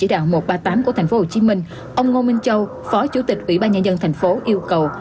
các thành viên trong ban chỉ đạo một trăm ba mươi tám của thành phố hồ chí minh ông ngô minh châu phó chủ tịch ủy ban nhà dân thành phố yêu cầu